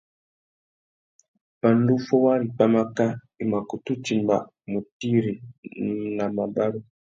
Pandú fôwari pwámáká, i mà kutu timba mutiri na mabarú.